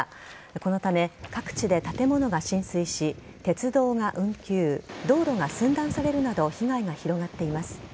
このため、各地で建物が浸水し鉄道が運休道路が寸断されるなど被害が広がっています。